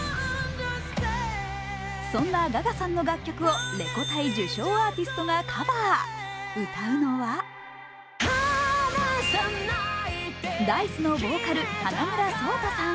そんなガガさんの楽曲をレコ大受賞アーティストがカバー歌うのはＤａ−ｉＣＥのボーカル・花村想太さん。